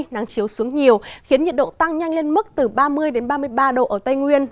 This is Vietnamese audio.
nắng chiếu xuống nhiều khiến nhiệt độ tăng nhanh lên mức từ ba mươi ba mươi ba độ ở tây nguyên